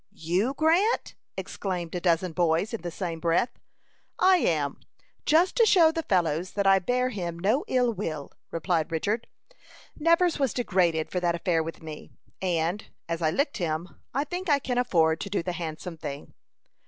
"You, Grant?" exclaimed a dozen boys, in the same breath. "I am; just to show the fellows that I bear him no ill will," replied Richard. "Nevers was degraded for that affair with me; and, as I licked him, I think I can afford to do the handsome thing."